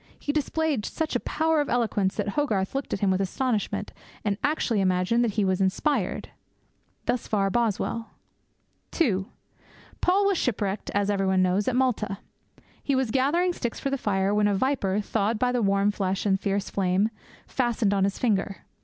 He displayed such a power of eloquence that Hogarth looked at him with astonishment, and actually imagined that he was inspired.' Thus far Boswell. (2) Paul was shipwrecked, as everybody knows, at Malta. He was gathering sticks for the fire, when a viper, thawed by the warm flesh and the fierce flame, fastened on his finger.